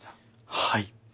はい。